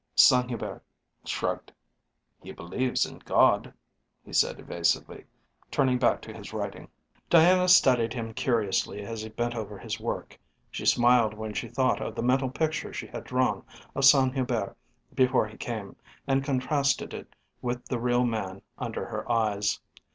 Saint Hubert shrugged. "He believes in a God," he said evasively, turning back to his writing. Diana studied him curiously as he bent over his work. She smiled when she thought of the mental picture she had drawn of Saint Hubert before he came, and contrasted it with the real man under her eyes.